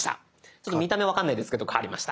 ちょっと見た目分かんないですけど変わりました。